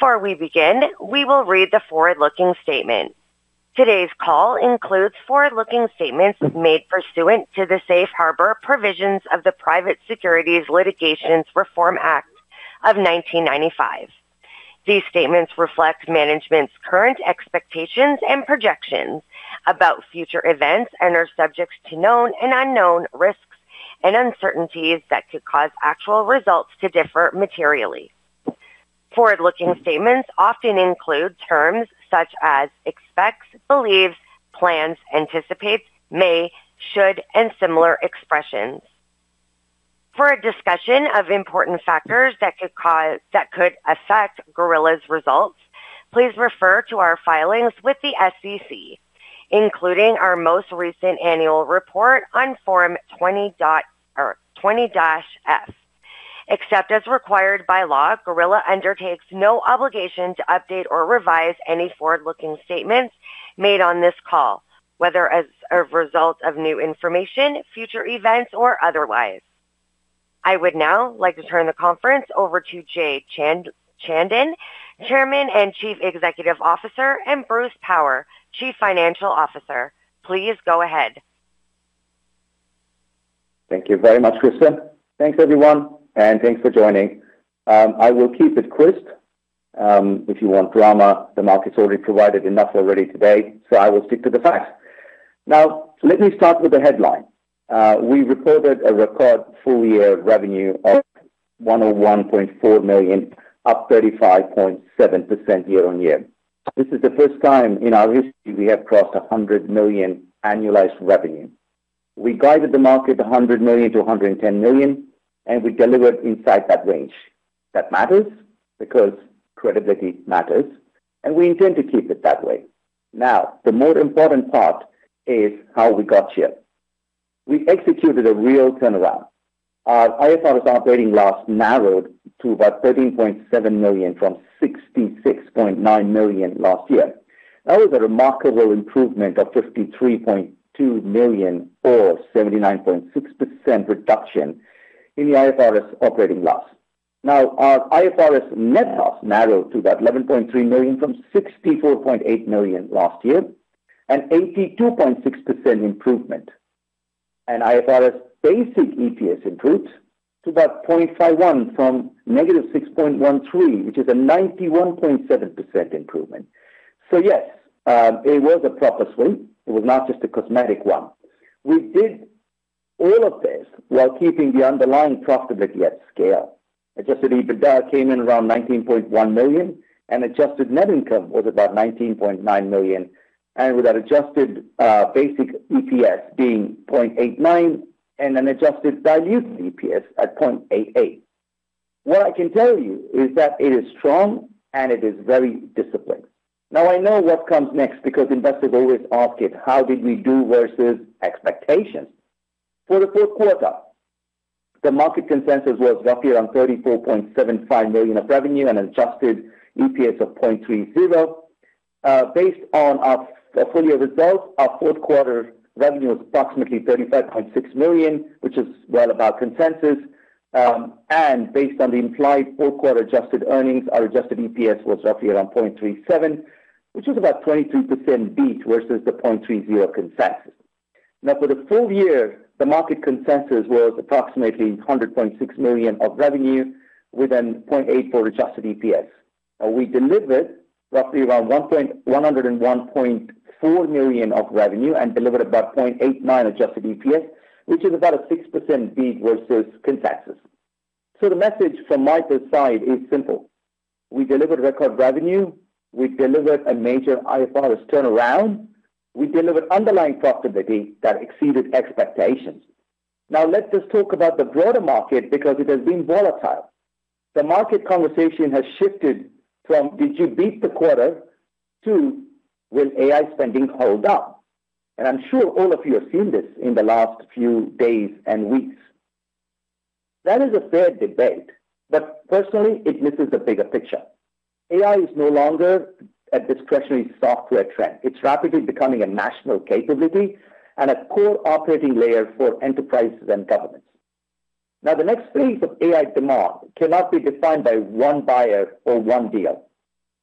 Before we begin, we will read the forward-looking statement. Today's call includes forward-looking statements made pursuant to the Safe Harbor Provisions of the Private Securities Litigation Reform Act of 1995. These statements reflect management's current expectations and projections about future events and are subject to known and unknown risks and uncertainties that could cause actual results to differ materially. Forward-looking statements often include terms such as expects, believes, plans, anticipates, may, should, and similar expressions. For a discussion of important factors that could affect Gorilla's results, please refer to our filings with the SEC, including our most recent annual report on Form 20-F. Except as required by law, Gorilla undertakes no obligation to update or revise any forward-looking statements made on this call, whether as a result of new information, future events, or otherwise. I would now like to turn the conference over to Jay Chandan, Chairman and Chief Executive Officer, and Bruce Bower, Chief Financial Officer. Please go ahead. Thank you very much, Kristen. Thanks, everyone. Thanks for joining. I will keep it crisp. If you want drama, the market's already provided enough already today. I will stick to the facts. Let me start with the headline. We reported a record full year revenue of $101.4 million, up 35.7% year-on-year. This is the first time in our history we have crossed $100 million annualized revenue. We guided the market $100 million-$110 million. We delivered inside that range. That matters because credibility matters. We intend to keep it that way. The more important part is how we got here. We executed a real turnaround. Our IFRS operating loss narrowed to about $13.7 million from $66.9 million last year. That was a remarkable improvement of $53.2 million, or 79.6% reduction in the IFRS operating loss. Now, our IFRS net loss narrowed to about $11.3 million from $64.8 million last year, an 82.6% improvement. IFRS basic EPS improved to about $0.51 from -$6.13, which is a 91.7% improvement. Yes, it was a proper swing. It was not just a cosmetic one. We did all of this while keeping the underlying profitability at scale. Adjusted EBITDA came in around $19.1 million, and adjusted net income was about $19.9 million, and with that adjusted basic EPS being $0.89 and an adjusted diluted EPS at $0.88. What I can tell you is that it is strong and it is very disciplined. I know what comes next because investors always ask it, "How did we do versus expectations?" For the fourth quarter, the market consensus was roughly around $34.75 million of revenue and adjusted EPS of $0.30. Based on our full year results, our fourth quarter revenue was approximately $35.6 million, which is well above consensus. Based on the implied fourth quarter adjusted earnings, our adjusted EPS was roughly around $0.37, which was about 22% beat versus the $0.30 consensus. For the full year, the market consensus was approximately $100.6 million of revenue with an $0.84 adjusted EPS. We delivered roughly around $101.4 million of revenue and delivered about $0.89 Adjusted EPS, which is about a 6% beat versus consensus. The message from my side is simple: We delivered record revenue. We delivered a major IFRS turnaround. We delivered underlying profitability that exceeded expectations. Let us talk about the broader market because it has been volatile. The market conversation has shifted from did you beat the quarter to will AI spending hold up? I'm sure all of you have seen this in the last few days and weeks. That is a fair debate, personally it misses the bigger picture. AI is no longer a discretionary software trend. It's rapidly becoming a national capability and a core operating layer for enterprises and governments. The next phase of AI demand cannot be defined by 1 buyer or 1 deal.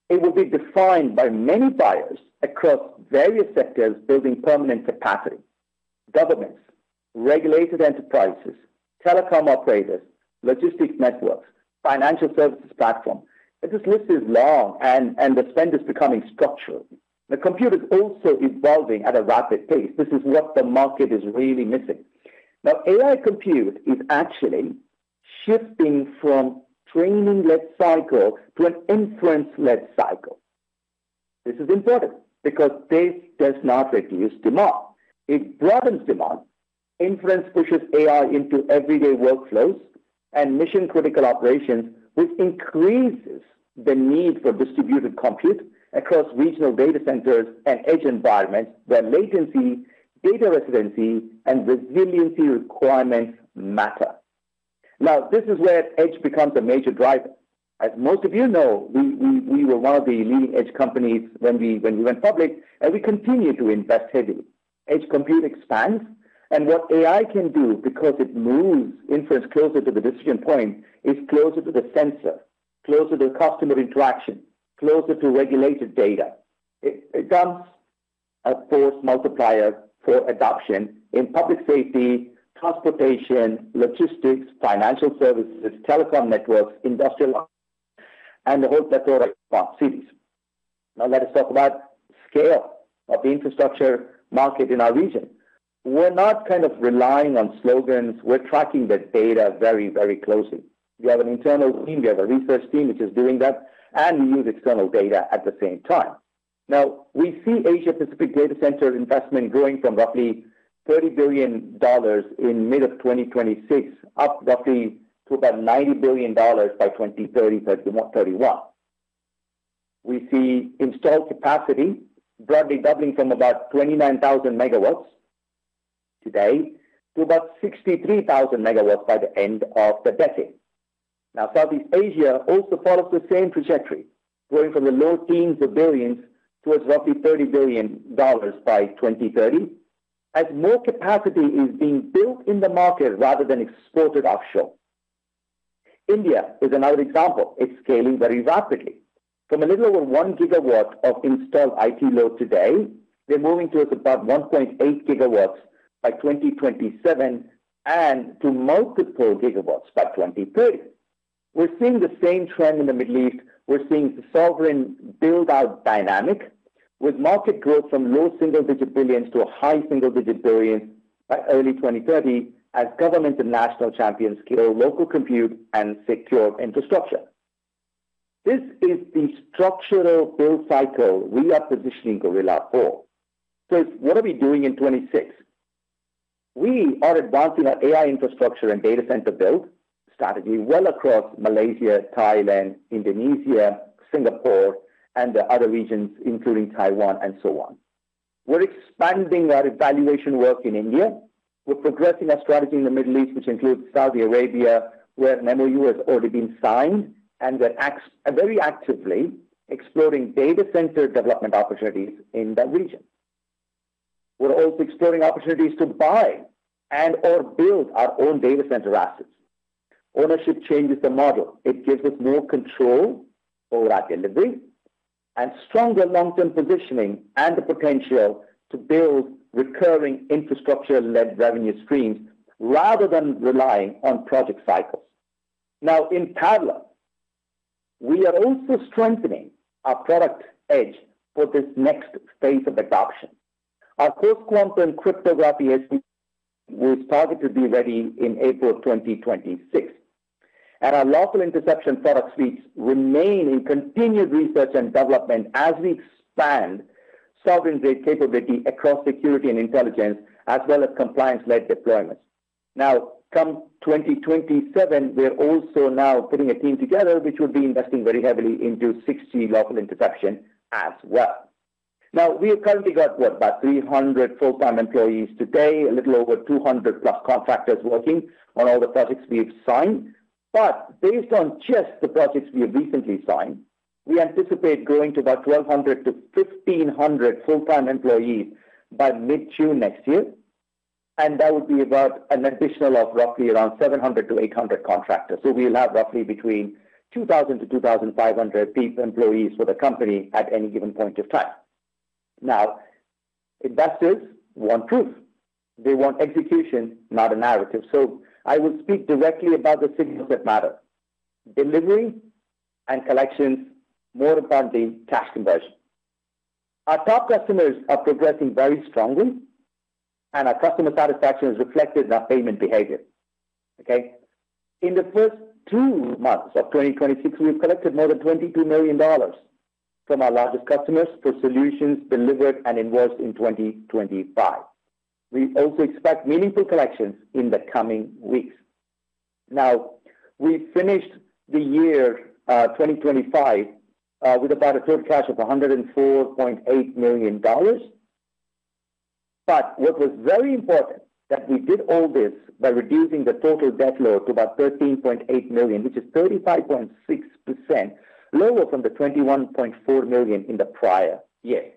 It will be defined by many buyers across various sectors building permanent capacity, governments, regulated enterprises, telecom operators, logistics networks, financial services platform. This list is long and the spend is becoming structural. The compute is also evolving at a rapid pace. This is what the market is really missing. AI compute is actually shifting from training-led cycle to an inference-led cycle. This is important because this does not reduce demand. It broadens demand. Inference pushes AI into everyday workflows and mission-critical operations, which increases the need for distributed compute across regional data centers and edge environments where latency, data residency, and resiliency requirements matter. This is where edge becomes a major driver. As most of you know, we were one of the leading edge companies when we went public, and we continue to invest heavily. Edge compute expands. What AI can do, because it moves inference closer to the decision point, is closer to the sensor, closer to customer interaction, closer to regulated data. It becomes a force multiplier for adoption in public safety, transportation, logistics, financial services, telecom networks, industrial and the whole plethora of smart cities. Let us talk about scale of the infrastructure market in our region. We're not kind of relying on slogans. We're tracking the data very, very closely. We have an internal team, we have a research team which is doing that, and we use external data at the same time. We see Asia-Pacific data center investment growing from roughly $30 billion in mid-2026 up roughly to about $90 billion by 2030, 2031. We see installed capacity broadly doubling from about 29,000 MW today to about 63,000 MW by the end of the decade. Southeast Asia also follows the same trajectory, growing from the low teens of billions towards roughly $30 billion by 2030 as more capacity is being built in the market rather than exported offshore. India is another example. It's scaling very rapidly. From a little over 1 GW of installed IT load today, they're moving towards about 1.8 GW by 2027 and to multiple GW by 2030. We're seeing the same trend in the Middle East. We're seeing sovereign build-out dynamic with market growth from low single-digit billions to a high single-digit billion by early 2030 as government and national champions scale local compute and secure infrastructure. What are we doing in 2026? We are advancing our AI infrastructure and data center build strategy well across Malaysia, Thailand, Indonesia, Singapore, and other regions, including Taiwan and so on. We're expanding our evaluation work in India. We're progressing our strategy in the Middle East, which includes Saudi Arabia, where an MOU has already been signed, and we're very actively exploring data center development opportunities in that region. We're also exploring opportunities to buy and/or build our own data center assets. Ownership changes the model. It gives us more control over our delivery and stronger long-term positioning and the potential to build recurring infrastructure-led revenue streams rather than relying on project cycles. In parallel, we are also strengthening our product edge for this next phase of adoption. Our post-quantum cryptography SD-WAN was targeted to be ready in April 2026, and our lawful interception product suites remain in continued R&D as we expand sovereign-grade capability across security and intelligence, as well as compliance-led deployments. Come 2027, we're also now putting a team together which will be investing very heavily into 6G lawful interception as well. We have currently got, what? About 300 full-time employees today, a little over 200 plus contractors working on all the projects we've signed. Based on just the projects we have recently signed, we anticipate growing to about 1,200-1,500 full-time employees by mid-June next year, and that would be about an additional of roughly around 700-800 contractors. We'll have roughly between 2,000-2,500 employees for the company at any given point of time. Investors want proof. They want execution, not a narrative. I will speak directly about the signals that matter: delivery and collections, more importantly, cash conversion. Our top customers are progressing very strongly, and our customer satisfaction is reflected in our payment behavior. Okay? In the first two months of 2026, we've collected more than $22 million from our largest customers for solutions delivered and invoiced in 2025. We also expect meaningful collections in the coming weeks. Now, we finished the year, 2025, with about a third cash of $104.8 million. What was very important that we did all this by reducing the total debt load to about $13.8 million, which is 35.6% lower from the $21.4 million in the prior year.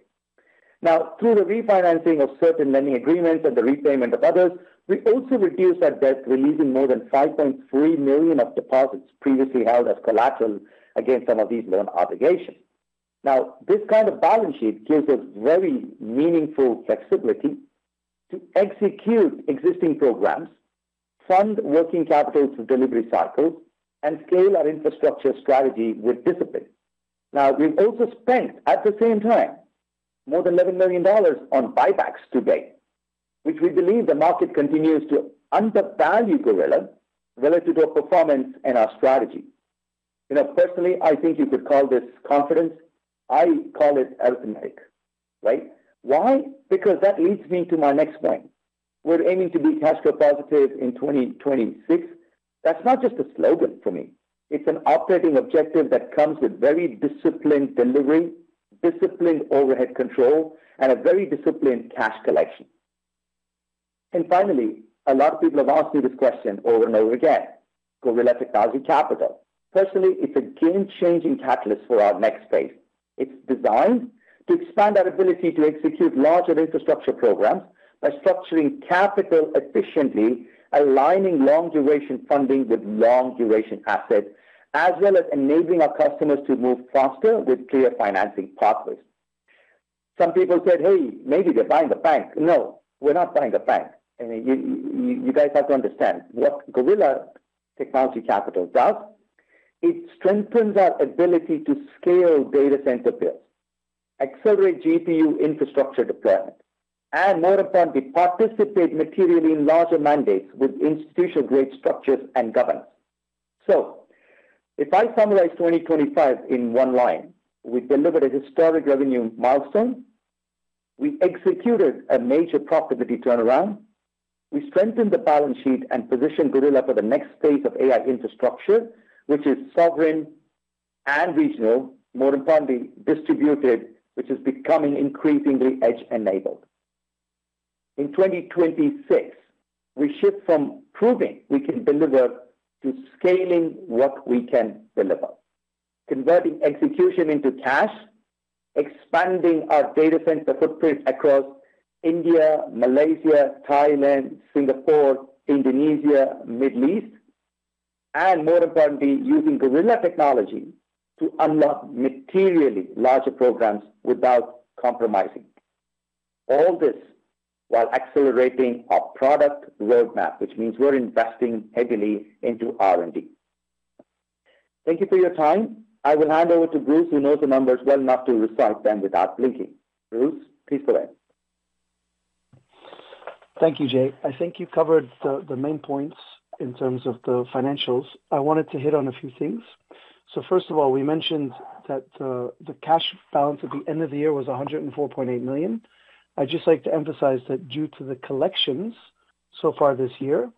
Now, through the refinancing of certain lending agreements and the repayment of others, we also reduced our debt, releasing more than $5.3 million of deposits previously held as collateral against some of these loan obligations. Now, this kind of balance sheet gives us very meaningful flexibility to execute existing programs, fund working capital to delivery cycles, and scale our infrastructure strategy with discipline. We've also spent, at the same time, more than $11 million on buybacks to date, which we believe the market continues to undervalue Gorilla relative to our performance and our strategy. You know, personally, I think you could call this confidence. I call it arithmetic, right? Why? That leads me to my next point. We're aiming to be cash flow positive in 2026. That's not just a slogan for me. It's an operating objective that comes with very disciplined delivery, disciplined overhead control, and a very disciplined cash collection. Finally, a lot of people have asked me this question over and over again. Gorilla Technology Capital. Personally, it's a game-changing catalyst for our next phase. It's designed to expand our ability to execute larger infrastructure programs by structuring capital efficiently, aligning long duration funding with long duration assets, as well as enabling our customers to move faster with clear financing pathways. Some people said, "Hey, maybe they're buying the bank." No, we're not buying the bank. You, you guys have to understand what Gorilla Technology Capital does. It strengthens our ability to scale data center builds, accelerate GPU infrastructure deployment, and more importantly, participate materially in larger mandates with institutional-grade structures and governance. If I summarize 2025 in one line, we delivered a historic revenue milestone. We executed a major profitability turnaround. We strengthened the balance sheet and positioned Gorilla for the next phase of AI infrastructure, which is sovereign and regional, more importantly, distributed, which is becoming increasingly edge-enabled. In 2026, we shift from proving we can deliver to scaling what we can deliver, converting execution into cash, expanding our data center footprint across India, Malaysia, Thailand, Singapore, Indonesia, Middle East, and more importantly, using Gorilla Technology to unlock materially larger programs without compromising. All this while accelerating our product roadmap, which means we're investing heavily into R&D. Thank you for your time. I will hand over to Bruce, who knows the numbers well enough to recite them without blinking. Bruce, please go ahead. Thank you, Jay. I think you covered the main points in terms of the financials. I wanted to hit on a few things. First of all, we mentioned that the cash balance at the end of the year was $104.8 million. I'd just like to emphasize that due to the collections so far this year,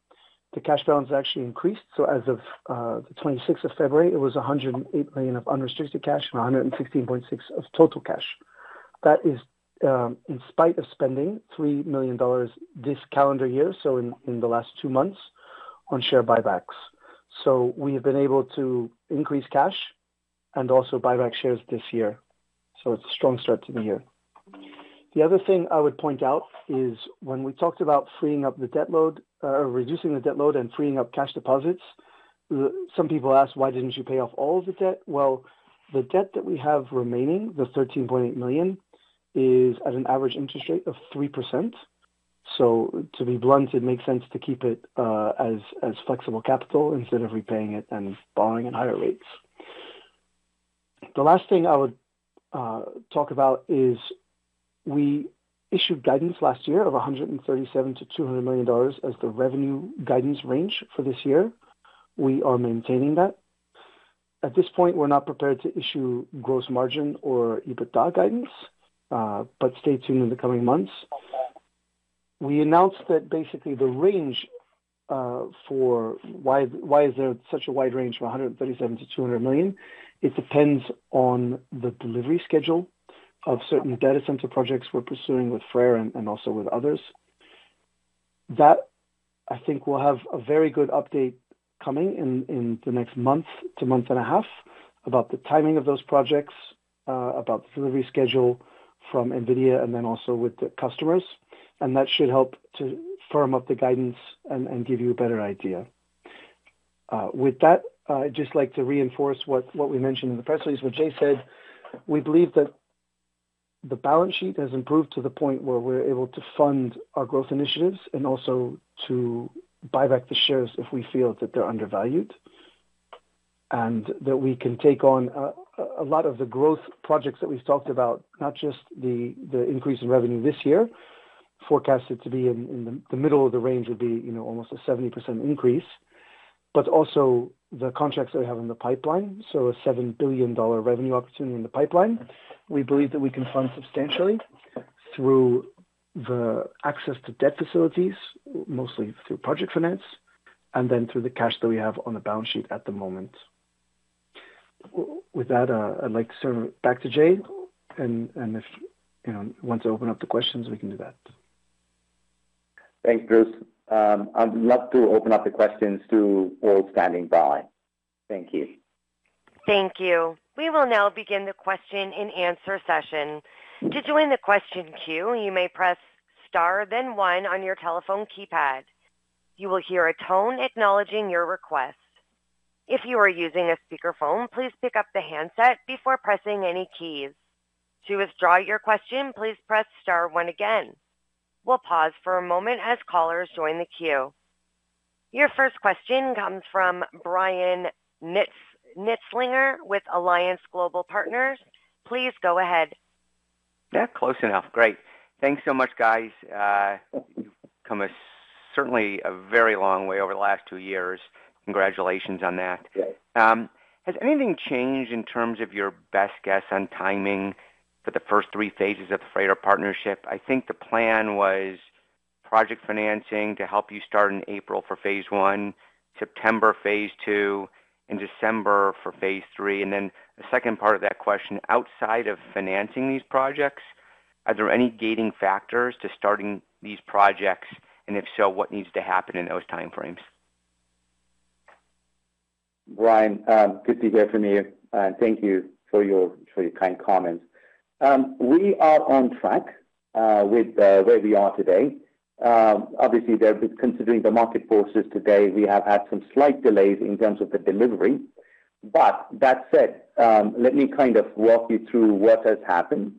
the cash balance actually increased. As of the 26th of February, it was $108 million of unrestricted cash and $116.6 of total cash. That is, in spite of spending $3 million this calendar year, so in the last two months on share buybacks. We have been able to increase cash and also buy back shares this year. It's a strong start to the year. The other thing I would point out is when we talked about freeing up the debt load or reducing the debt load and freeing up cash deposits, some people ask, "Why didn't you pay off all the debt?" Well, the debt that we have remaining, the $13.8 million, is at an average interest rate of 3%. To be blunt, it makes sense to keep it as flexible capital instead of repaying it and borrowing at higher rates. The last thing I would talk about is we issued guidance last year of $137 million-$200 million as the revenue guidance range for this year. We are maintaining that. At this point, we're not prepared to issue gross margin or EBITDA guidance, but stay tuned in the coming months. We announced that basically the range for why is there such a wide range from $137 million-$200 million? It depends on the delivery schedule of certain data center projects we're pursuing with FREYR and also with others. That I think will have a very good update coming in the next month to month and a half about the timing of those projects, about the delivery schedule from NVIDIA and then also with the customers. That should help to firm up the guidance and give you a better idea. With that, I'd just like to reinforce what we mentioned in the press release, what Jay said. We believe that the balance sheet has improved to the point where we're able to fund our growth initiatives and also to buy back the shares if we feel that they're undervalued. That we can take on a lot of the growth projects that we've talked about, not just the increase in revenue this year, forecasted to be in the middle of the range would be, you know, almost a 70% increase, but also the contracts that we have in the pipeline. A $7 billion revenue opportunity in the pipeline, we believe that we can fund substantially through the access to debt facilities, mostly through project finance, and then through the cash that we have on the balance sheet at the moment. With that, I'd like to turn back to Jay and if, you know, want to open up the questions, we can do that. Thanks, Bruce. I'd love to open up the questions to all standing by. Thank you. Thank you. We will now begin the question-and-answer session. To join the question queue, you may press star, then one on your telephone keypad. You will hear a tone acknowledging your request. If you are using a speakerphone, please pick up the handset before pressing any keys. To withdraw your question, please press star one again. We'll pause for a moment as callers join the queue. Your first question comes from Brian Kitzmantel with Alliance Global Partners. Please go ahead. Yeah, close enough. Great. Thanks so much, guys. You've come a certainly a very long way over the last two years. Congratulations on that. Great. Has anything changed in terms of your best guess on timing for the first three phases of the FREYR partnership? I think the plan was project financing to help you start in April for phase one, September, phase two, and December for phase three. The second part of that question, outside of financing these projects, are there any gating factors to starting these projects? If so, what needs to happen in those time frames? Brian, good to hear from you, thank you for your kind comments. We are on track with where we are today. Obviously, considering the market forces today, we have had some slight delays in terms of the delivery. That said, let me kind of walk you through what has happened.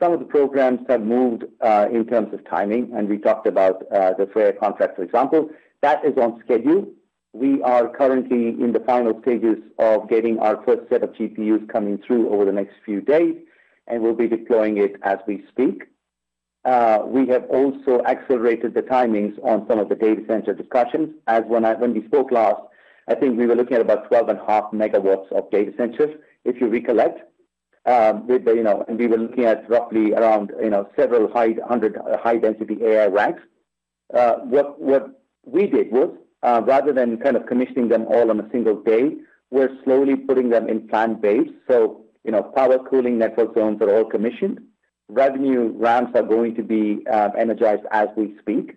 Some of the programs have moved in terms of timing, we talked about the FREYR contract, for example. That is on schedule. We are currently in the final stages of getting our first set of GPUs coming through over the next few days, we'll be deploying it as we speak. We have also accelerated the timings on some of the data center discussions. When we spoke last, I think we were looking at about 12.5 MW of data centers, if you recollect. With the, you know, we were looking at roughly around, you know, several high hundred, high density AI racks. What we did was, rather than kind of commissioning them all on a single day, we're slowly putting them in plan base. You know, power cooling network zones are all commissioned. Revenue ramps are going to be energized as we speak.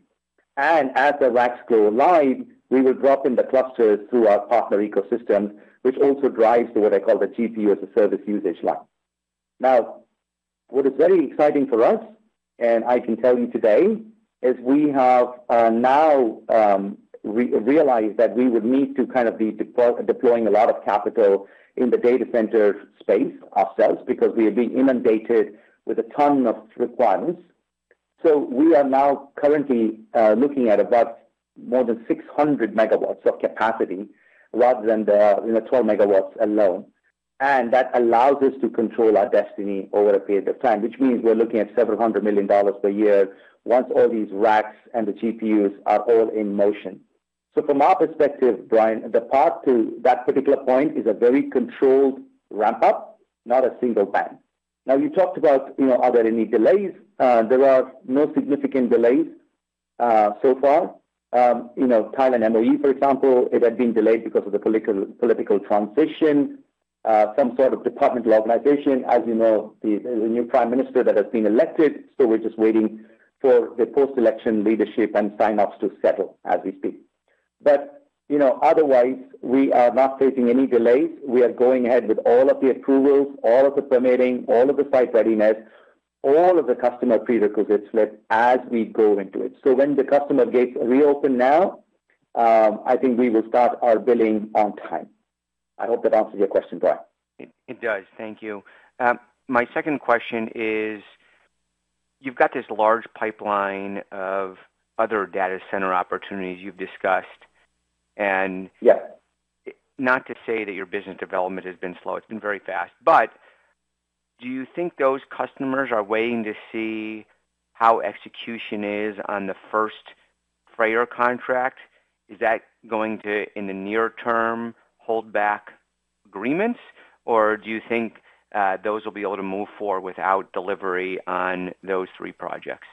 As the racks go live, we will drop in the clusters through our partner ecosystem, which also drives the, what I call the GPU-as-a-service usage line. What is very exciting for us, and I can tell you today, is we have now realized that we would need to kind of be deploying a lot of capital in the data center space ourselves, because we are being inundated with a ton of requirements. We are now currently looking at about more than 600 megawatts of capacity rather than the, you know, 12 megawatts alone. That allows us to control our destiny over a period of time, which means we're looking at several hundred million dollars per year once all these racks and the GPUs are all in motion. From our perspective, Brian, the path to that particular point is a very controlled ramp up, not a single bang. You talked about, you know, are there any delays? There are no significant delays so far. You know, Thailand MoE, for example, it had been delayed because of the political transition, some sort of departmental organization. You know, the new Prime Minister that has been elected, we're just waiting for the post-election leadership and sign-offs to settle as we speak. You know, otherwise, we are not facing any delays. We are going ahead with all of the approvals, all of the permitting, all of the site readiness, all of the customer prerequisites lit as we go into it. When the customer gates reopen now, I think we will start our billing on time. I hope that answers your question, Brian. It does. Thank you. My second question is, you've got this large pipeline of other data center opportunities you've discussed. Yes. Not to say that your business development has been slow, it's been very fast. Do you think those customers are waiting to see how execution is on the first FREYR contract? Is that going to, in the near term, hold back agreements, or do you think those will be able to move forward without delivery on those three projects?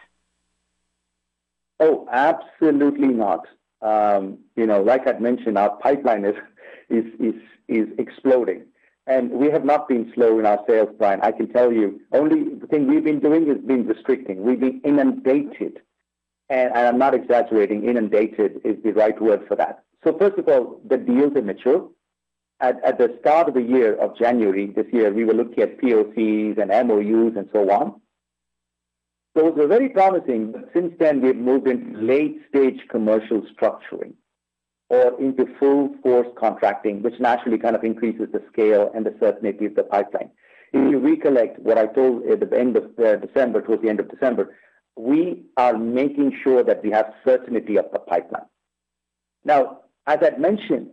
Absolutely not. You know, like I'd mentioned, our pipeline is exploding. We have not been slow in our sales plan, I can tell you. Only thing we've been doing is being restricting. We've been inundated, and I'm not exaggerating. Inundated is the right word for that. First of all, the deals are mature. At the start of the year of January this year, we were looking at POCs and MOUs and so on. Those were very promising, since then we have moved into late-stage commercial structuring or into full force contracting, which naturally kind of increases the scale and the certainty of the pipeline. If you recollect what I told at the end of December, towards the end of December, we are making sure that we have certainty of the pipeline. As I'd mentioned,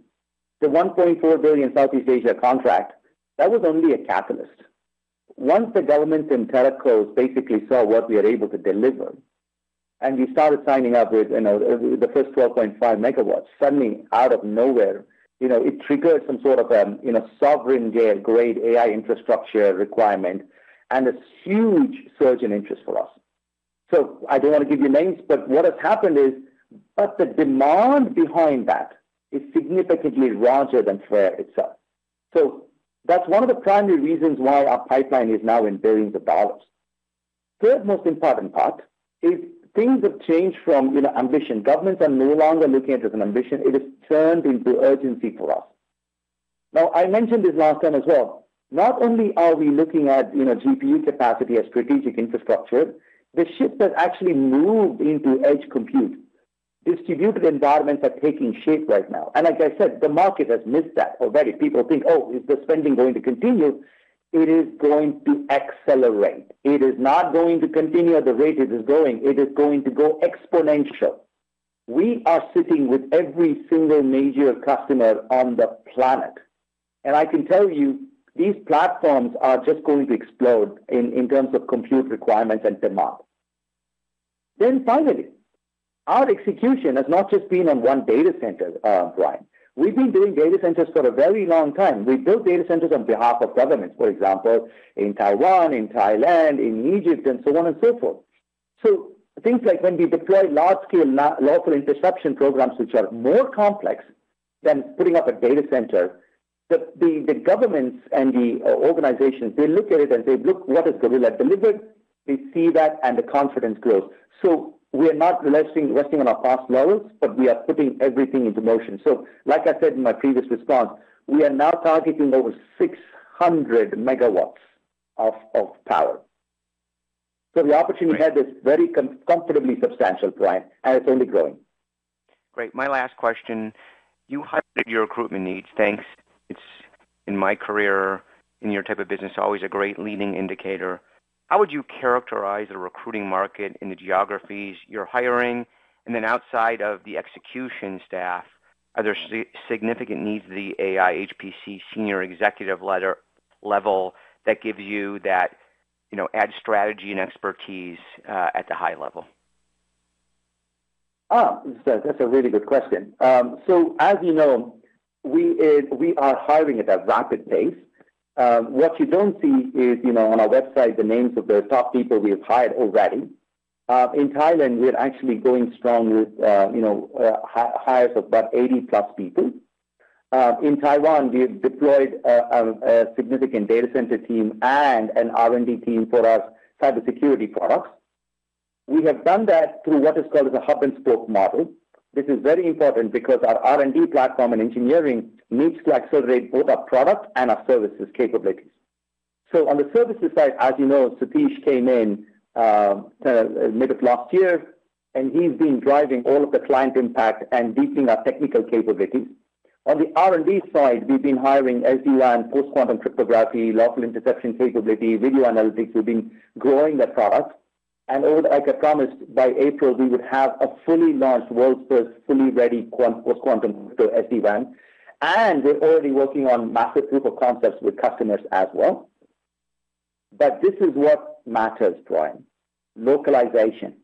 the $1.4 billion Southeast Asia contract, that was only a catalyst. Once the governments in telcos basically saw what we are able to deliver, and we started signing up with, you know, the first 12.5 megawatts, suddenly out of nowhere, you know, it triggered some sort of, you know, sovereign grade AI infrastructure requirement and a huge surge in interest for us. I don't wanna give you names, but what has happened is, but the demand behind that is significantly larger than FREYR itself. That's one of the primary reasons why our pipeline is now in billions of dollars. Third most important part is things have changed from, you know, ambition. Governments are no longer looking at it as an ambition. It has turned into urgency for us. I mentioned this last time as well. Not only are we looking at, you know, GPU capacity as strategic infrastructure, the shift has actually moved into edge compute. Distributed environments are taking shape right now. Like I said, the market has missed that already. People think, "Oh, is the spending going to continue?" It is going to accelerate. It is not going to continue at the rate it is going. It is going to go exponential. We are sitting with every single major customer on the planet. I can tell you, these platforms are just going to explode in terms of compute requirements and demand. Finally, our execution has not just been on one data center, Brian. We've been doing data centers for a very long time. We built data centers on behalf of governments, for example, in Taiwan, in Thailand, in Egypt, and so on and so forth. Things like when we deploy large scale lawful interception programs, which are more complex than putting up a data center, the governments and the organizations, they look at it and say, "Look what has Gorilla delivered." They see that and the confidence grows. We're not resting on our past laurels, but we are putting everything into motion. Like I said in my previous response, we are now targeting over 600 megawatts of power. The opportunity we have is very comfortably substantial, Brian, and it's only growing. Great. My last question, you highlighted your recruitment needs. Thanks. It's, in my career, in your type of business, always a great leading indicator. How would you characterize the recruiting market in the geographies you're hiring? Outside of the execution staff, are there significant needs at the AI HPC senior executive level that gives you that, you know, add strategy and expertise at the high level? Oh, that's a really good question. As you know, we are hiring at a rapid pace. What you don't see is, you know, on our website the names of the top people we have hired already. In Thailand, we are actually going strong with, you know, hires of about 80-plus people. In Taiwan, we have deployed a significant data center team and an R&D team for our cybersecurity products. We have done that through what is called as a hub-and-spoke model. This is very important because our R&D platform and engineering needs to accelerate both our product and our services capabilities. On the services side, as you know, Satish came in mid of last year, and he's been driving all of the client impact and deepening our technical capabilities. On the R&D side, we've been hiring SD-WAN, post-quantum cryptography, lawful interception capability, video analytics. We've been growing the product. like I promised, by April we would have a fully launched world's first fully ready post-quantum crypto SD-WAN. We're already working on massive proof of concepts with customers as well. This is what matters, Brian: localization.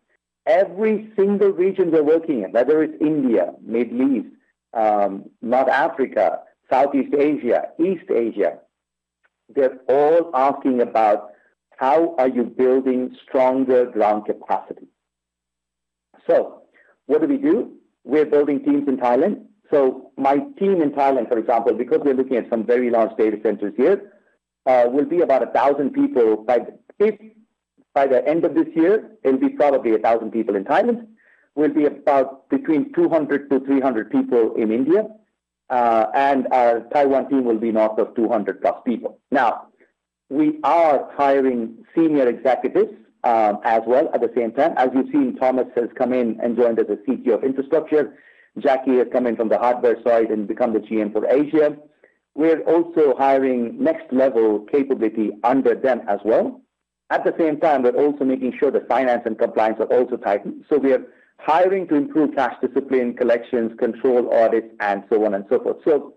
Every single region we're working in, whether it's India, Middle East, North Africa, Southeast Asia, East Asia, they're all asking about how are you building stronger ground capacity. What do we do? We're building teams in Thailand. My team in Thailand, for example, because we're looking at some very large data centers here, will be about 1,000 people by the end of this year, it'll be probably 1,000 people in Thailand. We'll be about between 200-300 people in India. Our Taiwan team will be north of 200-plus people. Now, we are hiring senior executives as well at the same time. As you've seen, Thomas has come in and joined as a CTO of infrastructure. Jackie has come in from the hardware side and become the GM for Asia. We're also hiring next-level capability under them as well. At the same time, we're also making sure that finance and compliance are also tightened. We are hiring to improve cash discipline, collections, control, audits, and so on and so forth.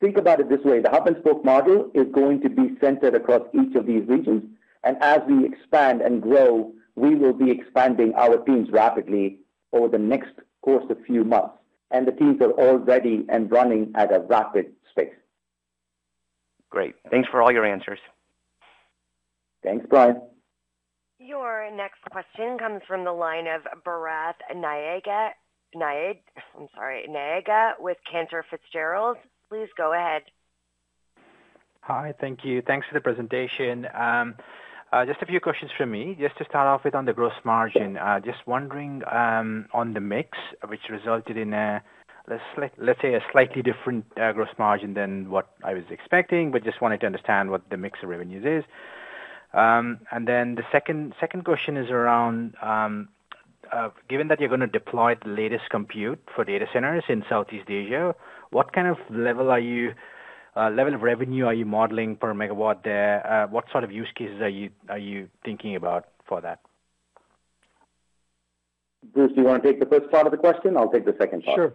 Think about it this way. The hub-and-spoke model is going to be centered across each of these regions, and as we expand and grow, we will be expanding our teams rapidly over the next course of few months. The teams are all ready and running at a rapid pace. Great. Thanks for all your answers. Thanks, Brian. Your next question comes from the line of I'm sorry, Brett Knoblauch with Cantor Fitzgerald. Please go ahead. Hi. Thank you. Thanks for the presentation. Just a few questions from me. Just to start off with on the gross margin, just wondering on the mix which resulted in a slightly different gross margin than what I was expecting, but just wanted to understand what the mix of revenues is. Then the second question is around given that you're gonna deploy the latest compute for data centers in Southeast Asia, what kind of level are you level of revenue are you modeling per megawatt there? What sort of use cases are you thinking about for that? Bruce, do you wanna take the first part of the question? I'll take the second part. Sure.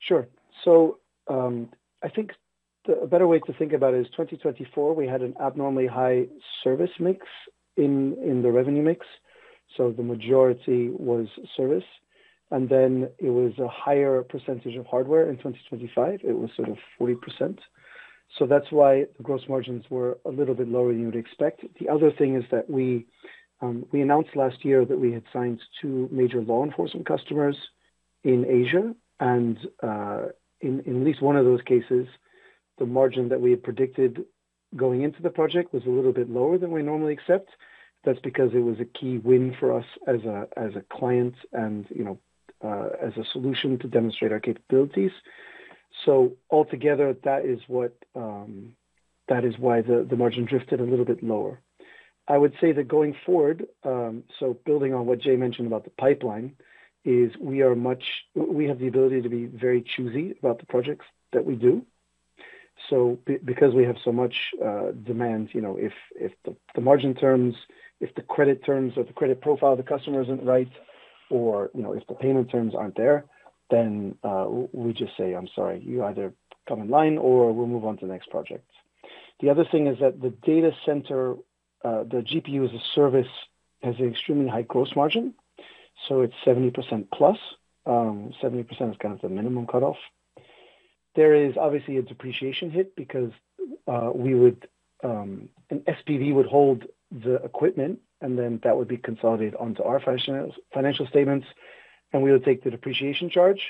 Sure. I think a better way to think about it is 2024, we had an abnormally high service mix in the revenue mix, so the majority was service. Then it was a higher percentage of hardware in 2025. It was sort of 40%. That's why the gross margins were a little bit lower than you would expect. The other thing is that we announced last year that we had signed two major law enforcement customers in Asia, in at least one of those cases, the margin that we had predicted going into the project was a little bit lower than we normally accept. That's because it was a key win for us as a, as a client and, you know, as a solution to demonstrate our capabilities. Altogether, that is what, that is why the margin drifted a little bit lower. I would say that going forward, building on what Jay mentioned about the pipeline, is we have the ability to be very choosy about the projects that we do. Because we have so much demand, you know, if the margin terms, if the credit terms or the credit profile of the customer isn't right or, you know, if the payment terms aren't there, then we just say, "I'm sorry, you either come in line or we'll move on to the next project." The other thing is that the data center, the GPU-as-a-Service has an extremely high gross margin, so it's 70%+. 70% is kind of the minimum cutoff. There is obviously a depreciation hit because an SPV would hold the equipment and then that would be consolidated onto our financial statements, and we would take the depreciation charge.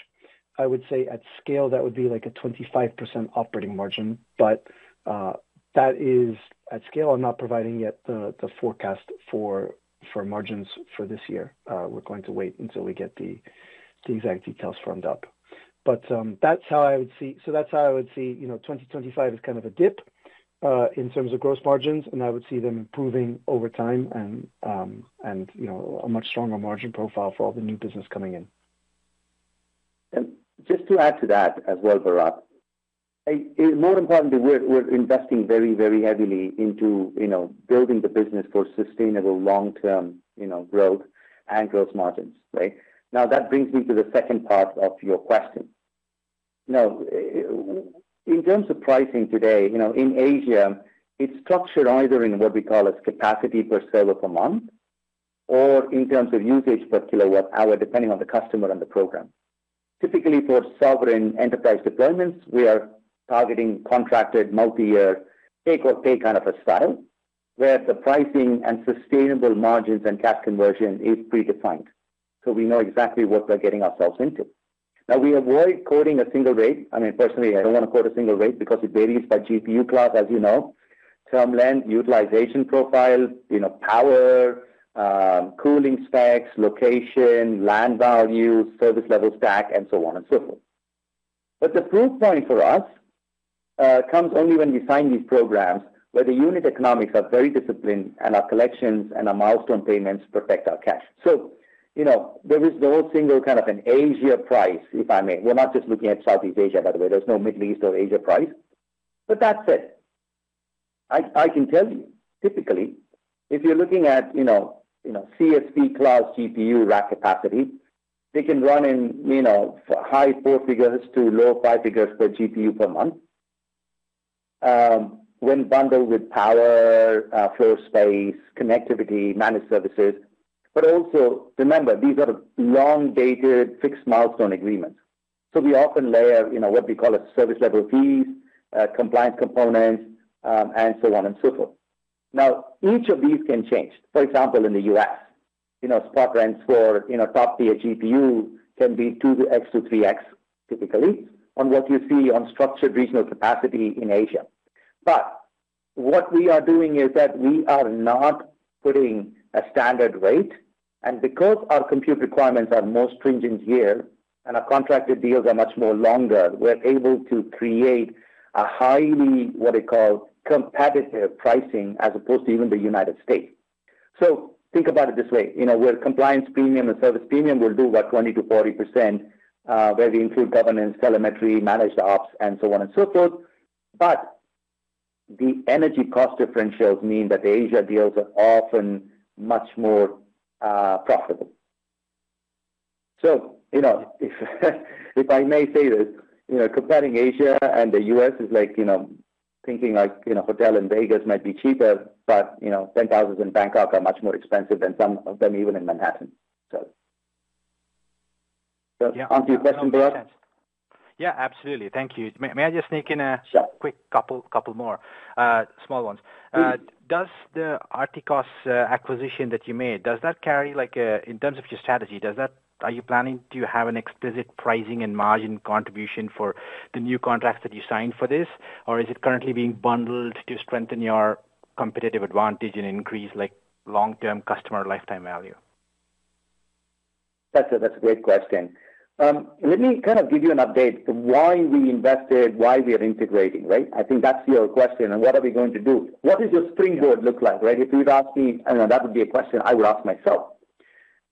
I would say at scale, that would be like a 25% operating margin. That is at scale. I'm not providing yet the forecast for margins for this year. We're going to wait until we get the exact details firmed up. That's how I would see, you know, 2025 as kind of a dip in terms of gross margins, and I would see them improving over time and, you know, a much stronger margin profile for all the new business coming in. Just to add to that as well, Brett, more importantly, we're investing very, very heavily into, you know, building the business for sustainable long-term, you know, growth and gross margins, right? That brings me to the second part of your question. In terms of pricing today, you know, in Asia, it's structured either in what we call as capacity per server per month or in terms of usage per kilowatt hour, depending on the customer and the program. Typically, for sovereign enterprise deployments, we are targeting contracted multi-year take-or-pay kind of a style, where the pricing and sustainable margins and cash conversion is predefined, so we know exactly what we're getting ourselves into. We avoid quoting a single rate. I mean, personally, I don't wanna quote a single rate because it varies by GPU class, as you know. Term length, utilization profile, you know, power, cooling specs, location, land value, service level stack, and so on and so forth. The proof point for us comes only when we sign these programs where the unit economics are very disciplined, and our collections and our milestone payments protect our cash. You know, there is no single kind of an Asia price, if I may. We're not just looking at Southeast Asia, by the way. There's no Middle East or Asia price. That said, I can tell you, typically, if you're looking at, you know, CSP class GPU rack capacity, they can run in, you know, high four figures to low five figures per GPU per month, when bundled with power, floor space, connectivity, managed services. Also remember, these are long-dated fixed milestone agreements. We often layer, you know, what we call a service level fees, compliance components, and so on and so forth. Each of these can change. For example, in the U.S., you know, spot rents for, you know, top-tier GPU can be 2x to 3x typically on what you see on structured regional capacity in Asia. What we are doing is that we are not putting a standard rate. Because our compute requirements are more stringent here and our contracted deals are much more longer, we're able to create a highly, what I call, competitive pricing as opposed to even the United States. Think about it this way, you know, where compliance premium and service premium will do about 20%-40%, where we include governance, telemetry, managed ops, and so on and so forth. The energy cost differentials mean that the Asia deals are often much more profitable. If I may say this, you know, comparing Asia and the US is like, you know, thinking like, you know, hotel in Vegas might be cheaper, but, you know, penthouses in Bangkok are much more expensive than some of them even in Manhattan, so. To answer your question, Brett. Yeah, absolutely. Thank you. May I just sneak in. Sure. Quick couple more, small ones. Does the Astrikos acquisition that you made, in terms of your strategy, are you planning, do you have an explicit pricing and margin contribution for the new contracts that you signed for this? Is it currently being bundled to strengthen your competitive advantage and increase, like, long-term customer lifetime value? That's a, that's a great question. Let me kind of give you an update to why we invested, why we are integrating, right? I think that's your question and what are we going to do. What does your springboard look like, right? If you'd asked me, I know that would be a question I would ask myself.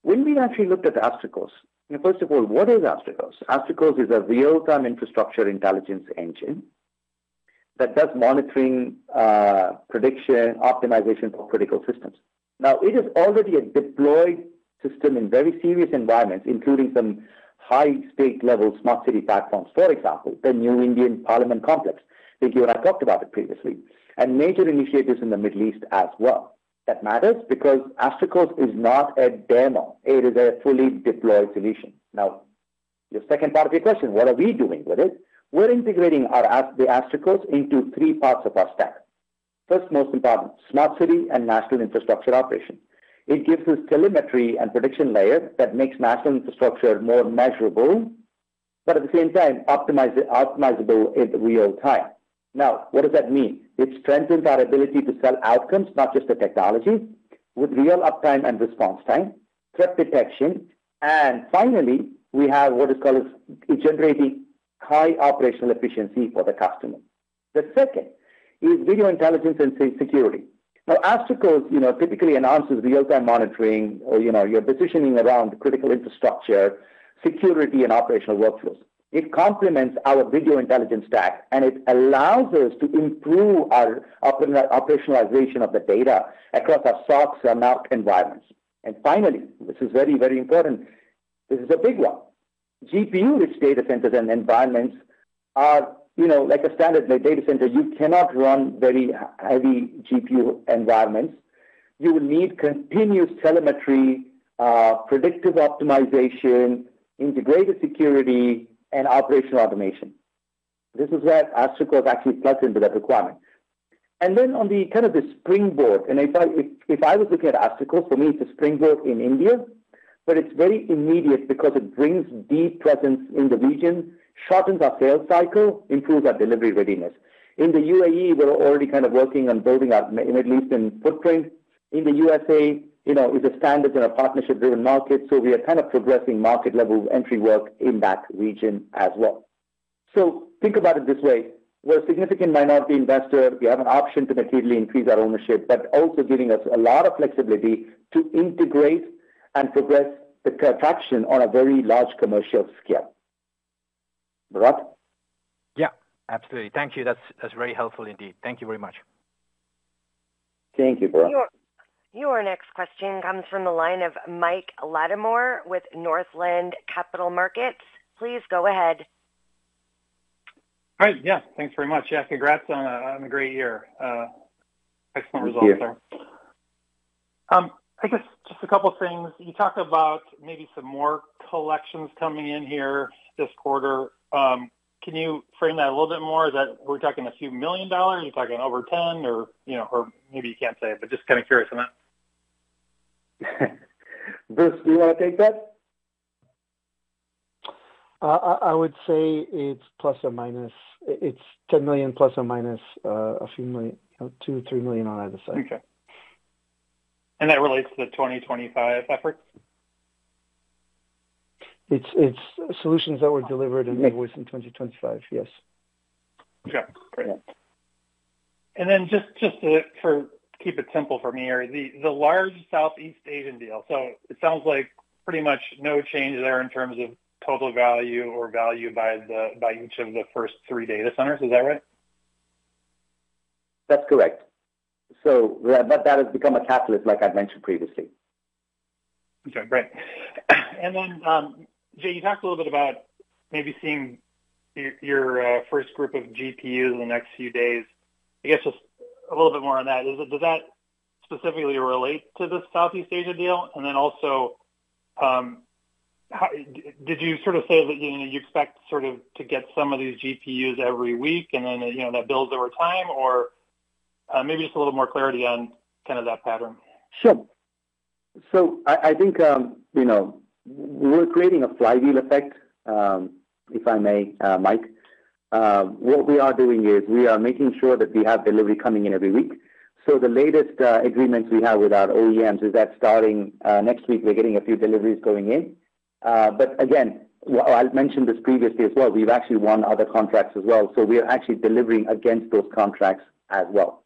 When we actually looked at Astrikos. Now, first of all, what is Astrikos? Astrikos is a real-time infrastructure intelligence engine that does monitoring, prediction, optimization for critical systems. Now, it is already a deployed system in very serious environments, including some high state-level smart city platforms. For example, the new Indian Parliament Complex. Vijay and I talked about it previously. Major initiatives in the Middle East as well. That matters because Astrikos is not a demo. It is a fully deployed solution. The second part of your question, what are we doing with it? We're integrating our Astrikos into 3 parts of our stack. First, most important, smart city and national infrastructure operation. It gives us telemetry and prediction layer that makes national infrastructure more measurable, but at the same time optimizable in real time. What does that mean? It strengthens our ability to sell outcomes, not just the technology, with real uptime and response time, threat detection, and finally, we have what is called generating high operational efficiency for the customer. The second is video intelligence and security. Astrikos, you know, typically announces real-time monitoring or, you know, you're positioning around critical infrastructure, security and operational workflows. It complements our video intelligence stack, and it allows us to improve our operationalization of the data across our SOCs and NAC environments. Finally, this is very, very important. This is a big one. GPU-rich data centers and environments are, you know, like a standard data center, you cannot run very heavy GPU environments. You will need continuous telemetry, predictive optimization, integrated security and operational automation. This is where Astrikos is actually plugged into that requirement. On the kind of the springboard, if I was looking at Astrikos, for me, it's a springboard in India, but it's very immediate because it brings deep presence in the region, shortens our sales cycle, improves our delivery readiness. In the UAE, we're already kind of working on building our Middle Eastern footprint. In the USA, you know, it's a standard in a partnership-driven market, so we are kind of progressing market level entry work in that region as well. Think about it this way, we're a significant minority investor. We have an option to materially increase our ownership, but also giving us a lot of flexibility to integrate and progress the transaction on a very large commercial scale. Brett Knoblauch? Yeah, absolutely. Thank you. That's very helpful indeed. Thank you very much. Thank you, Brett. Your next question comes from the line of Michael Latimore with Northland Capital Markets. Please go ahead. All right. Yeah, thanks very much. Yeah, congrats on a great year. Excellent results there. Thank you. I guess just a couple things. You talked about maybe some more collections coming in here this quarter. Can you frame that a little bit more? Is that we're talking a few million dollars? Are you talking over $10 million or, you know, or maybe you can't say, but just kinda curious on that. Bruce, do you wanna take that? I would say It's $10 million, ± a few million, you know, $2 million-$3 million on either side. Okay. That relates to the 2025 efforts? It's solutions that were delivered and invoiced in 2025, yes. Okay, great. Just to keep it simple for me here. The large Southeast Asian deal, it sounds like pretty much no change there in terms of total value or value by each of the first three data centers. Is that right? That's correct. That has become a catalyst, like I mentioned previously. Okay, great. Jay, you talked a little bit about maybe seeing your first group of GPUs in the next few days. I guess just a little bit more on that. Does that specifically relate to the Southeast Asia deal? Also, did you sort of say that, you know, you expect sort of to get some of these GPUs every week and then, you know, that builds over time? Maybe just a little more clarity on kind of that pattern. Sure. I think, you know, we're creating a flywheel effect, if I may, Mike. What we are doing is we are making sure that we have delivery coming in every week. The latest agreements we have with our OEMs is that starting next week, we're getting a few deliveries going in. Again, well, I've mentioned this previously as well, we've actually won other contracts as well, so we are actually delivering against those contracts as well.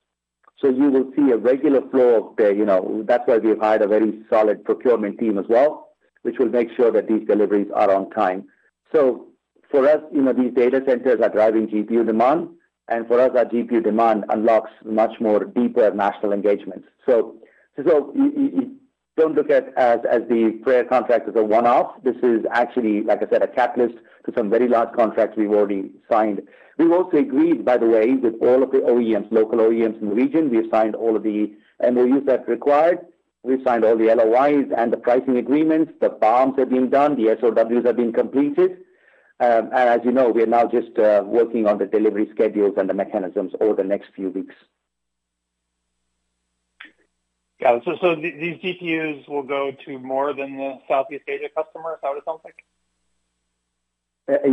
You will see a regular flow of, you know. That's why we've hired a very solid procurement team as well, which will make sure that these deliveries are on time. For us, you know, these data centers are driving GPU demand, and for us, our GPU demand unlocks much more deeper national engagements. You don't look at as the FREYR contract as a one-off. This is actually, like I said, a catalyst to some very large contracts we've already signed. We've also agreed, by the way, with all of the OEMs, local OEMs in the region. We have signed all of the MOUs that's required. We've signed all the LOIs and the pricing agreements. The BOMs have been done. The SOWs have been completed. As you know, we are now just working on the delivery schedules and the mechanisms over the next few weeks. Got it. These GPUs will go to more than the Southeast Asia customer, is how it sounds like?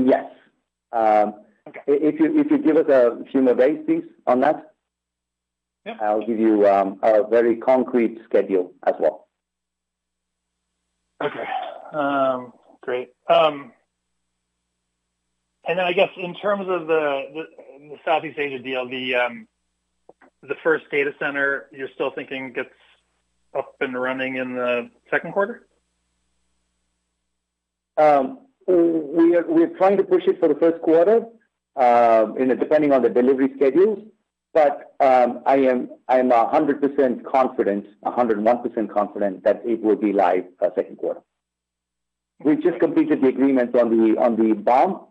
Yes. Okay. If you give us a few more days please on that. I'll give you, a very concrete schedule as well. Okay. Great. I guess in terms of the Southeast Asia deal, the first data center, you're still thinking gets up and running in the second quarter? We are, we're trying to push it for the first quarter, you know, depending on the delivery schedules, but I am, I'm 100% confident, 101% confident that it will be live, second quarter. We've just completed the agreement on the, on the BOM.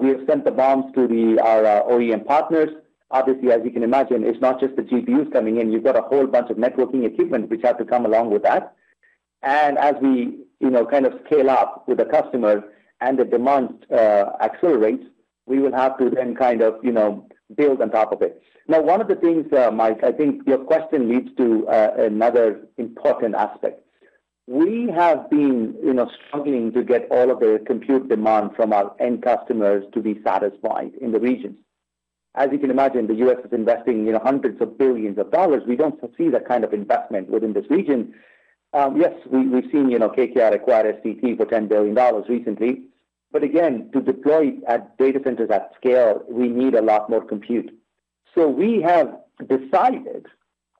We have sent the BOMs to our OEM partners. Obviously, as you can imagine, it's not just the GPUs coming in. You've got a whole bunch of networking equipment which have to come along with that. As we, you know, kind of scale up with the customer and the demand accelerates, we will have to then kind of, you know, build on top of it. One of the things, Mike, I think your question leads to another important aspect. We have been, you know, struggling to get all of the compute demand from our end customers to be satisfied in the regions. As you can imagine, the US is investing, you know, hundreds of billions of dollars. We don't see that kind of investment within this region. yes, we've seen, you know, KKR acquire STT for $10 billion recently, but again, to deploy at data centers at scale, we need a lot more compute. We have decided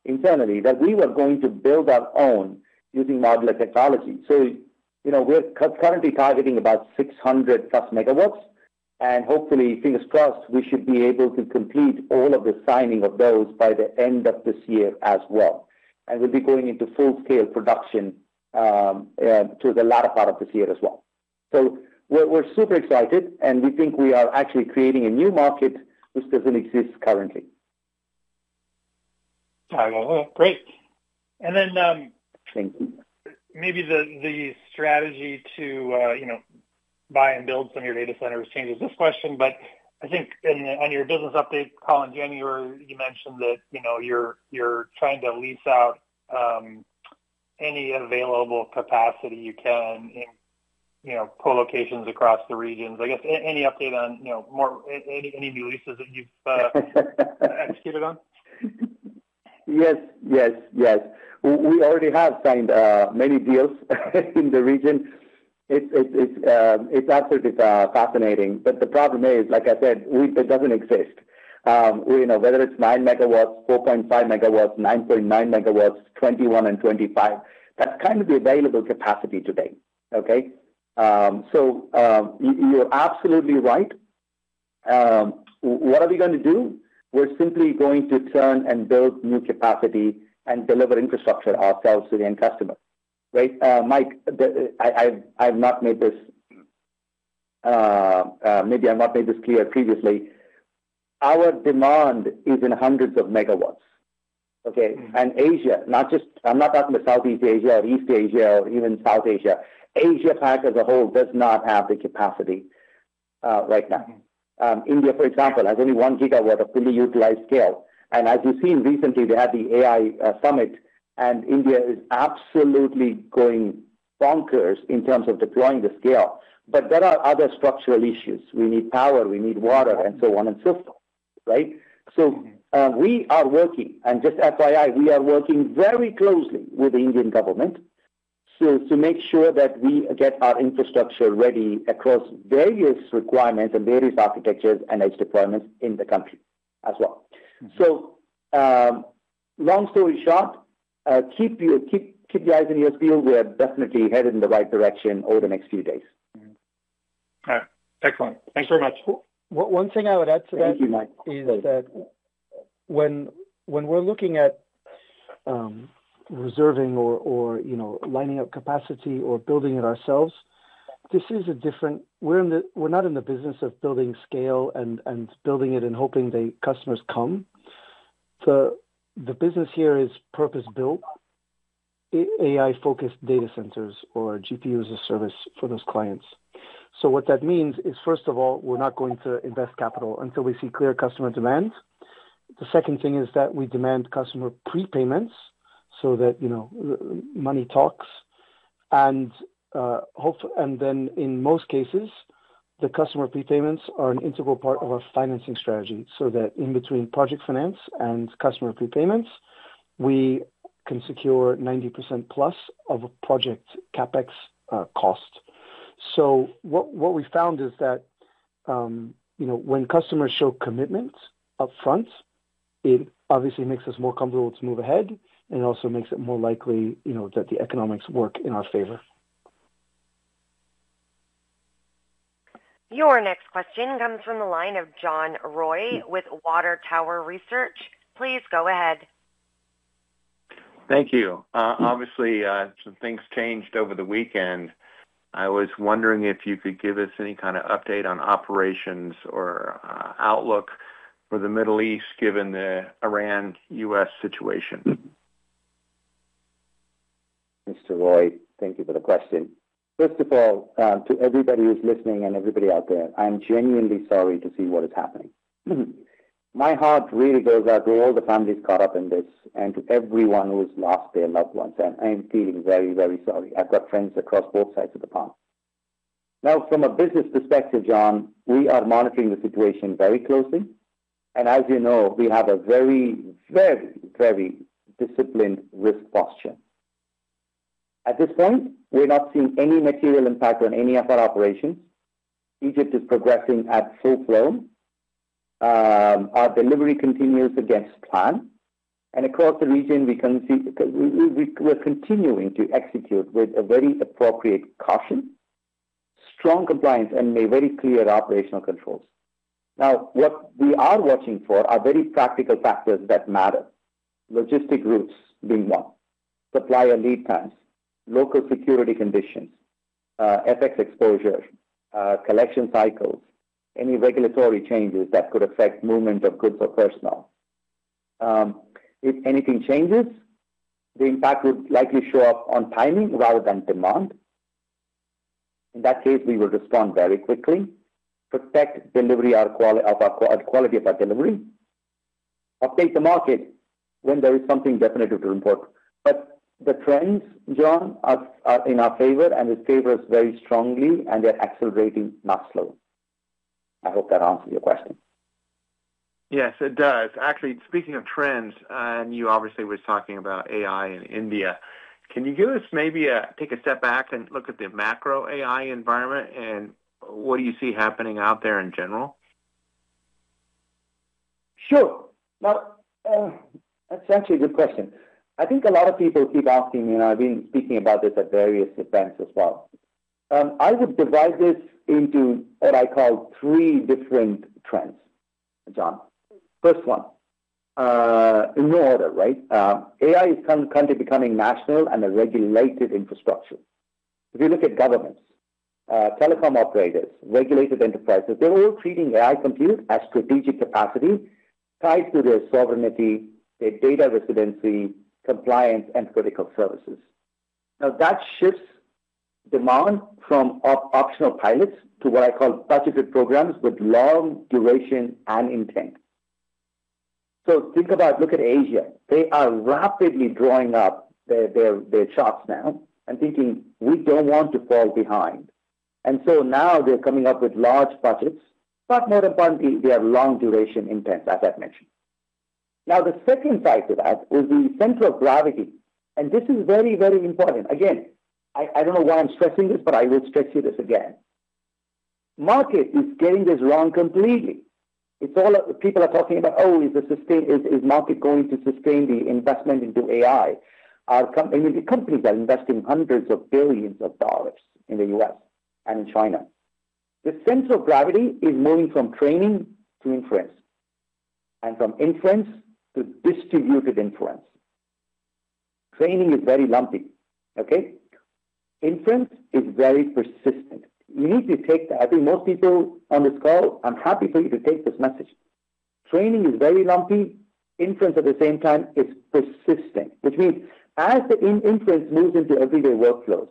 internally that we were going to build our own using modular technology. you know, we're currently targeting about 600+ megawatts, and hopefully, fingers crossed, we should be able to complete all of the signing of those by the end of this year as well. We'll be going into full-scale production towards the latter part of this year as well. We're super excited, and we think we are actually creating a new market which doesn't exist currently. Great. Maybe the strategy to, you know, buy and build some of your data centers changes this question. I think on your business update call in January, you mentioned that, you know, you're trying to lease out any available capacity you can in, you know, co-locations across the regions. I guess, any update on, you know, more, any new leases that you've executed on? Yes. Yes. Yes. We already have signed many deals in the region. It's absolutely fascinating. The problem is, like I said, lease that doesn't exist. You know, whether it's 9 megawatts, 4.5 megawatts, 9.9 megawatts, 21 and 25, that's kind of the available capacity today. Okay? So, you're absolutely right. What are we gonna do? We're simply going to turn and build new capacity and deliver infrastructure ourselves to the end customer, right? Mike, I've not made this clear previously. Our demand is in hundreds of megawatts, okay? Asia, not just, I'm not talking the Southeast Asia or East Asia or even South Asia. Asia-Pac as a whole does not have the capacity right now. India, for example, has only 1 gigawatt of fully utilized scale. As you've seen recently, they had the AI Summit, and India is absolutely going bonkers in terms of deploying the scale. There are other structural issues. We need power, we need water, and so on and so forth, right? We are working, and just FYI, we are working very closely with the Indian government so as to make sure that we get our infrastructure ready across various requirements and various architectures and edge deployments in the country as well. Long story short, keep your eyes on your field. We are definitely headed in the right direction over the next few days. All right. Excellent. Thanks very much. One thing I would add to that. Thank you, Mike. Please. Is that when we're looking at, you know, reserving or lining up capacity or building it ourselves, this is a different. We're not in the business of building scale and building it and hoping the customers come. The business here is purpose-built, AI-focused data centers or GPU-as-a-service for those clients. What that means is, first of all, we're not going to invest capital until we see clear customer demand. The second thing is that we demand customer prepayments so that, you know, money talks. Then in most cases, the customer prepayments are an integral part of our financing strategy, so that in between project finance and customer prepayments, we can secure 90% plus of a project CapEx cost. What we found is that, you know, when customers show commitment upfront, it obviously makes us more comfortable to move ahead, and it also makes it more likely, you know, that the economics work in our favor. Your next question comes from the line of John Roy with Water Tower Research. Please go ahead. Thank you. Obviously, some things changed over the weekend. I was wondering if you could give us any kind of update on operations or, outlook for the Middle East, given the Iran-US situation? Mr. Roy, thank you for the question. First of all, to everybody who's listening and everybody out there, I am genuinely sorry to see what is happening. My heart really goes out to all the families caught up in this and to everyone who has lost their loved ones. I am feeling very, very sorry. I've got friends across both sides of the pond. Now, from a business perspective, John, we are monitoring the situation very closely. As you know, we have a very, very, very disciplined risk posture. At this point, we're not seeing any material impact on any of our operations. Egypt is progressing at full flow. Our delivery continues against plan. Across the region, we're continuing to execute with a very appropriate caution, strong compliance, and a very clear operational controls. Now, what we are watching for are very practical factors that matter. Logistic routes being one, supplier lead times, local security conditions, FX exposure, collection cycles, any regulatory changes that could affect movement of goods or personnel. If anything changes, the impact would likely show up on timing rather than demand. In that case, we will respond very quickly, protect delivery, our quality of our delivery, update the market when there is something definitive to report. The trends, John, are in our favor, and it favor us very strongly, and they're accelerating, not slowing. I hope that answers your question. Yes, it does. Actually, speaking of trends, and you obviously was talking about AI in India, can you give us maybe take a step back and look at the macro AI environment and what do you see happening out there in general? Sure. Now, that's actually a good question. I think a lot of people keep asking me, and I've been speaking about this at various events as well. I would divide this into what I call three different trends, John. First one, in no order, right? AI is currently becoming national and a regulated infrastructure. If you look at governments, telecom operators, regulated enterprises, they're all treating AI compute as strategic capacity tied to their sovereignty, their data residency, compliance, and critical services. That shifts demand from optional pilots to what I call budgeted programs with long duration and intent. Think about... Look at Asia. They are rapidly drawing up their charts now and thinking, "We don't want to fall behind." Now they're coming up with large budgets, but more importantly, they have long duration intents, as I've mentioned. The second side to that is the center of gravity, and this is very, very important. I don't know why I'm stressing this, but I will stress you this again. Market is getting this wrong completely. People are talking about, "Oh, is market going to sustain the investment into AI?" I mean, the companies are investing hundreds of billions of dollars in the U.S. and in China. The center of gravity is moving from training to inference and from inference to distributed inference. Training is very lumpy, okay? Inference is very persistent. You need to take that. I think most people on this call, I'm happy for you to take this message. Training is very lumpy. Inference, at the same time, is persisting, which means as the in-inference moves into everyday workflows,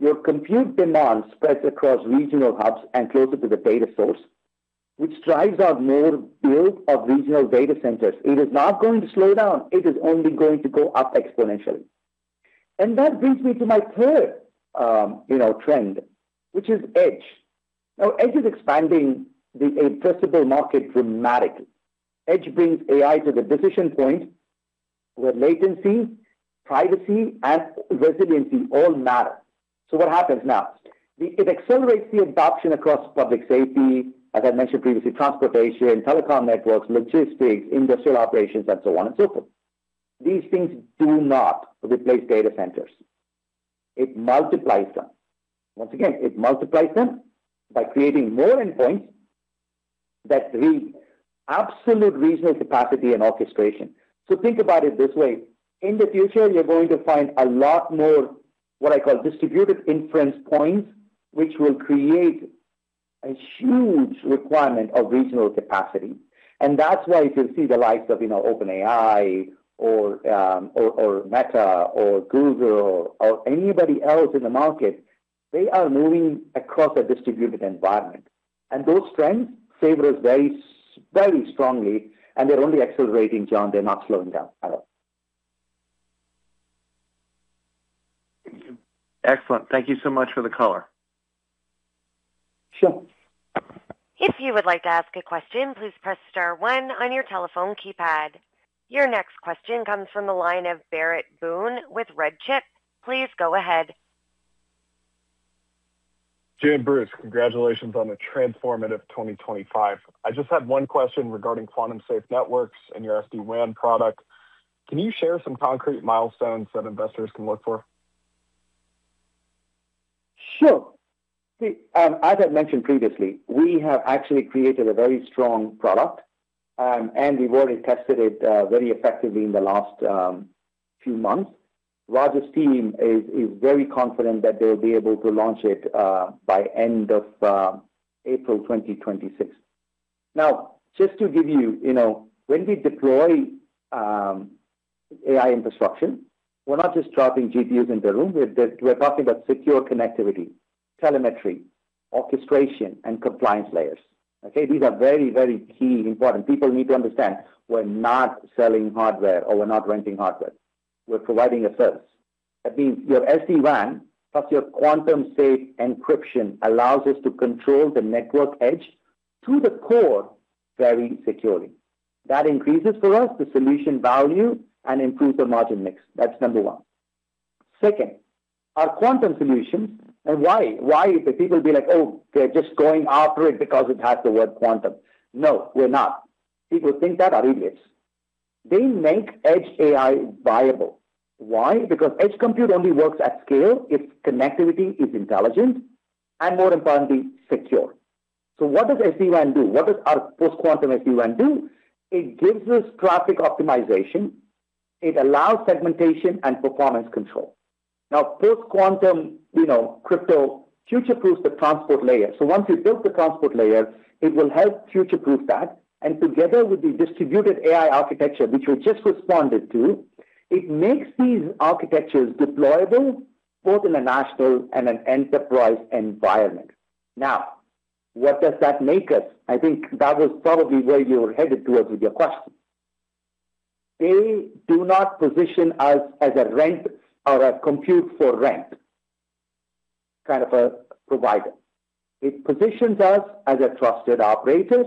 your compute demand spreads across regional hubs and closer to the data source, which drives out more build of regional data centers. It is not going to slow down. It is only going to go up exponentially. That brings me to my third, you know, trend, which is edge. Edge is expanding the addressable market dramatically. Edge brings AI to the decision point where latency, privacy, and resiliency all matter. What happens now? It accelerates the adoption across public safety, as I mentioned previously, transportation, telecom networks, logistics, industrial operations, and so on and so forth. These things do not replace data centers. It multiplies them. Once again, it multiplies them by creating more endpoints that read absolute regional capacity and orchestration. Think about it this way. In the future, you're going to find a lot more, what I call, distributed inference points, which will create a huge requirement of regional capacity. That's why you'll see the likes of, you know, OpenAI or Meta or Google or anybody else in the market, they are moving across a distributed environment. Those trends favor us very, very strongly, and they're only accelerating, John. They're not slowing down at all. Excellent. Thank you so much for the color. Sure. If you would like to ask a question, please press star one on your telephone keypad. Your next question comes from the line of Barrett Boone with RedChip Companies. Please go ahead. Jay and Bruce, congratulations on a transformative 2025. I just had one question regarding Quantum-Safe Networks and your SD-WAN product. Can you share some concrete milestones that investors can look for? Sure. See, as I mentioned previously, we have actually created a very strong product, and we've already tested it very effectively in the last few months. Raja's team is very confident that they'll be able to launch it by end of April 2026. Now, just to give you know, when we deploy AI infrastructure, we're not just dropping GPUs in the room. We're talking about secure connectivity, telemetry, orchestration, and compliance layers, okay? These are very, very key, important. People need to understand we're not selling hardware or we're not renting hardware. We're providing a service. That means your SD-WAN plus your Quantum Safe encryption allows us to control the network edge to the core very securely. That increases for us the solution value and improves the margin mix. That's number one. Second, our quantum solutions. Why? Why is the people be like, "Oh, they're just going after it because it has the word quantum"? No, we're not. People think that are idiots. They make edge AI viable. Why? Because edge compute only works at scale if connectivity is intelligent and, more importantly, secure. What does SD-WAN do? What does our post-quantum SD-WAN do? It gives us traffic optimization. It allows segmentation and performance control. Post-quantum, you know, crypto future-proofs the transport layer. Once you build the transport layer, it will help future-proof that. Together with the distributed AI architecture, which we just responded to, it makes these architectures deployable both in a national and an enterprise environment. What does that make us? I think that was probably where you were headed towards with your question. They do not position us as a rent or a compute-for-rent kind of a provider. It positions us as a trusted operator.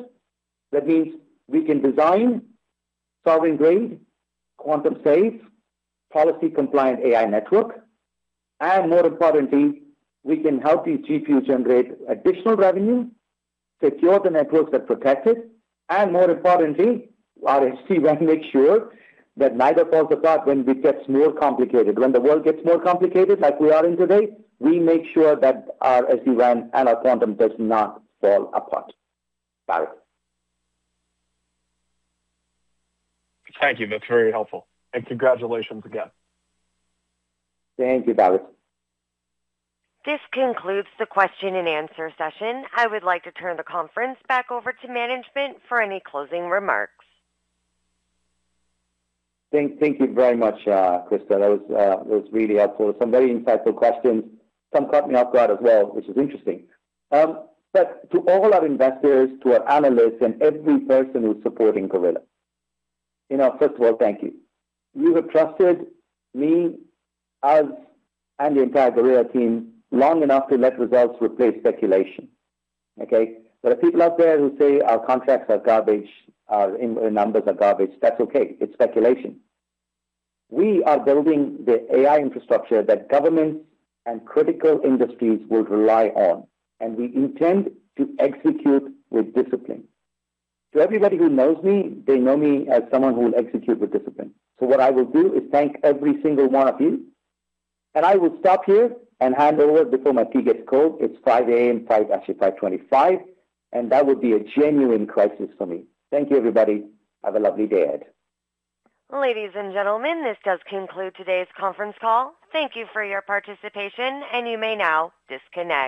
That means we can design sovereign-grade, Quantum Safe, policy-compliant AI network. More importantly, we can help these GPUs generate additional revenue, secure the networks that protect it. More importantly, our SD-WAN makes sure that neither falls apart when it gets more complicated. When the world gets more complicated, like we are in today, we make sure that our SD-WAN and our quantum does not fall apart. Barrett. Thank you. That's very helpful. Congratulations again. Thank you, Barrett. This concludes the question and answer session. I would like to turn the conference back over to management for any closing remarks. Thank you very much, Crystal. That was really helpful. Some very insightful questions. Some caught me off guard as well, which is interesting. To all our investors, to our analysts and every person who's supporting Gorilla, you know, first of all, thank you. You have trusted me, us, and the entire Gorilla team long enough to let results replace speculation, okay? There are people out there who say our contracts are garbage, our numbers are garbage. That's okay. It's speculation. We are building the AI infrastructure that governments and critical industries will rely on, and we intend to execute with discipline. To everybody who knows me, they know me as someone who will execute with discipline. What I will do is thank every single one of you, and I will stop here and hand over before my tea gets cold. It's 5:00 A.M., actually 5:25 A.M., and that would be a genuine crisis for me. Thank you, everybody. Have a lovely day ahead. Ladies and gentlemen, this does conclude today's conference call. Thank you for your participation, and you may now disconnect.